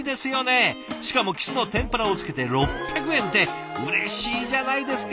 しかもきすの天ぷらをつけて６００円ってうれしいじゃないですか！